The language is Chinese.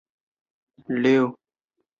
犹他曼泰圣殿被列入美国国家史迹名录。